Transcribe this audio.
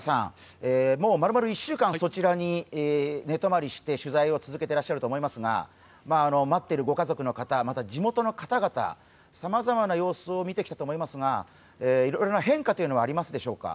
まるまる１週間、そちらに寝泊まりして取材を続けていますが待っているご家族の方、地元の方々さまざまな様子を見てきたと思いますがいろいろな変化はありますでしょうか。